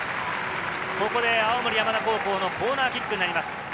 ここで青森山田高校のコーナーキックになります。